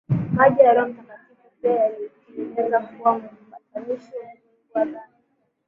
maji na Roho MtakatifuPia akajieleza kuwa mpatanishi wa ulimwengu wa dhambi